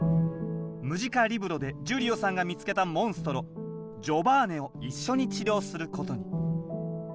ムジカリブロでジュリオさんが見つけたモンストロジョバーネを一緒に治療することに。